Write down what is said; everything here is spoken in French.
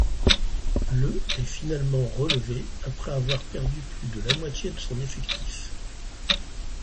Le est finalement relevé après avoir perdu plus de la moitié de son effectif.